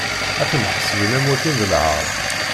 Ad ten-ḥesben am wakken d lɛar.